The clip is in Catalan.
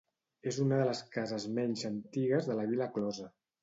És una de les cases menys antigues de la vila closa.